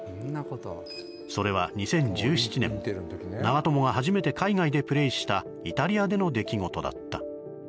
それは２０１７年長友が初めて海外でプレーしたイタリアでの出来事だった。